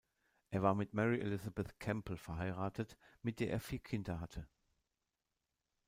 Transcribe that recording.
Er war mit Mary Elizabeth Campbell verheiratet, mit der er vier Kinder hatte.